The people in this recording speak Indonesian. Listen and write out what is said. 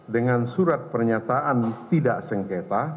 dengan surat pernyataan tidak sengketa